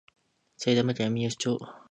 埼玉県三芳町